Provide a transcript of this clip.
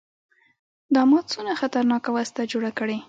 دا ما څونه خطرناکه وسله جوړه کړې.